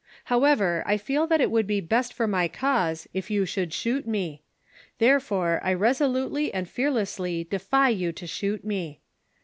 However, I feel that it would be best for my cause if you should shoot me; therefore, I resolutely and fearlessly defy you to shoot me.